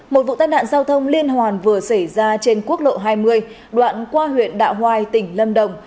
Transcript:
một vụ tai nạn giao thông liên hoàn vừa xảy ra trên quốc lộ hai mươi đoạn qua huyện đạo hoài tỉnh lâm đồng